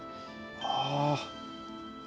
ああ。